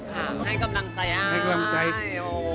ให้กำลังใจค่ะ